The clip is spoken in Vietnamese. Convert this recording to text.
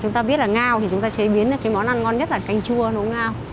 chúng ta biết là ngao thì chúng ta chế biến cái món ăn ngon nhất là canh chua nấu ngao